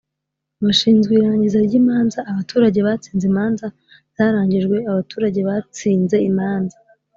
bashinzwe irangiza ry imanza abaturage batsinze imanza zarangijwe abaturage batsinze imanza